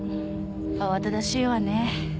慌ただしいわね。